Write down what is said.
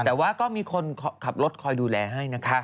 แต่ว่าก็มีคนขับรถคอยดูแลให้นะคะ